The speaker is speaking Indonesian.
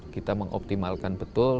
kita mengoptimalkan betul